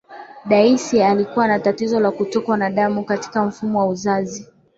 Daisy alikuwa na tatizo la kutokwa na damu katika mfumo wa uzazi